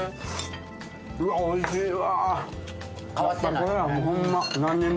うわっ、おいしいわ。